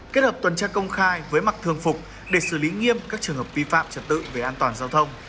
kết hợp tuần tra công khai với mặt thương phục để xử lý nghiêm các trường hợp vi phạm trật tự về an toàn giao thông